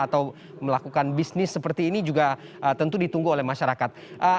atau melakukan bisnis seperti ini juga tentu ditunggu oleh masyarakat